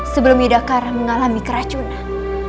sebelum yudhakara mengalami keracunan